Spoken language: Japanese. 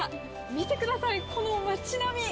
見てください、この街並み。